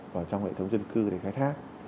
vào trong hệ thống dân cư để khai thác